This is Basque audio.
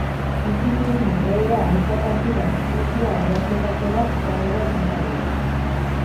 Bizi dugun egoera aintzat hartuta, krisia ardatzetako bat izango da ikastaroetan.